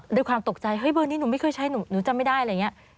ด้วยความตกใจเฮ้ยเบอร์นี้หนูไม่เคยใช้หนูจำไม่ได้อะไรอย่างนี้